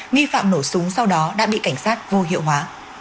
nghi phạm nổ súng sau đó đã bị cảnh sát vô hiệu hóa